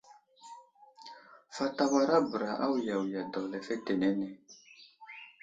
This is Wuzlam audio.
Fat awara bəra awiyawiga daw lefetenene.